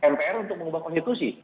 mpr untuk mengubah konstitusi